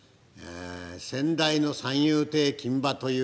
先代の三遊亭金馬という方。